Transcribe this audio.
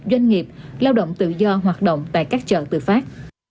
doanh nghiệp lao động tự do hoạt động tại các chợ tự phát